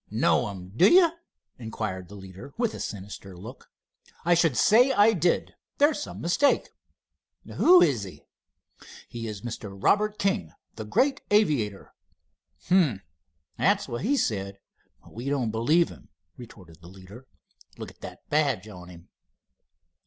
"Know him, do you?" inquired the leader, with a sinister look. "I should say I did. There's some mistake." "Who is he?" "He is Mr. Robert King, the great aviator." "H'm that's what he said, but we don't believe him," retorted the leader. "Look at that badge on him."